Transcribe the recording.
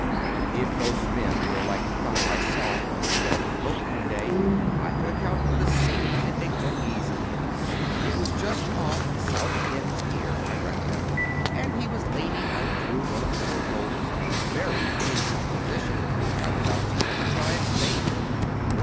If most men were like a fellow I saw on the Yarmouth boat one day, I could account for the seeming enigma easily enough. It was just off Southend Pier, I recollect, and he was leaning out through one of the port holes in a very dangerous position. I went up to him to try and save him.